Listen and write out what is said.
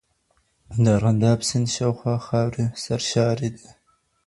د ارغنداب سیند شاوخوا خاورې سرشاري دي.